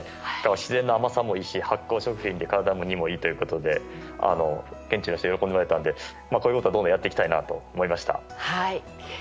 自然の甘さもいいし発酵食品で体にもいいということで現地の人喜んでおられたのでこういうことをどんどんやっていきたいと思いました。